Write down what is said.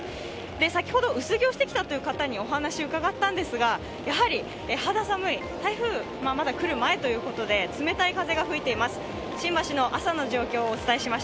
先ほど薄着をしてきたという方にお話を伺ったんですが肌寒い、台風まだ来る前ということで冷たい風が吹いています。